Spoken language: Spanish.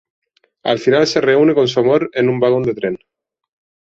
Al final se reúne con su amor en un vagón del tren.